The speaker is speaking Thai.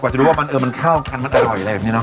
กว่าจะรู้ว่ามันเงินมันเข้ากันมันอร่อยอะไรแบบนี้นะคะ